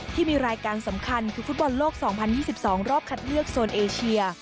ที่มีรายการสำคัญคือฟุตบอลโลก๒๐๒๒รอบคัดเลือกโซนเอเชีย